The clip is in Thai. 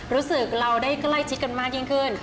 รู้สึกเราได้ใกล้ชิดกันมากยิ่งขึ้น